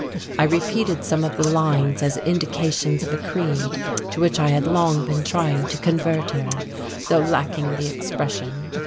I repeated some of the lines as indications of a creed to which I had long been trying to convert her, though lacking the expression.